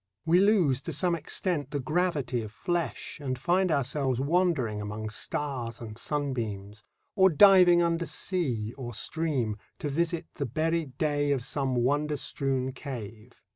We lose to some extent the gravity of flesh and find ourselves wandering among stars and sunbeams, or diving under sea or stream to visit the buried day of some wonder strewn cave.